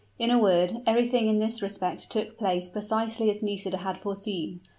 In a word, every thing in this respect took place precisely as Nisida had foreseen.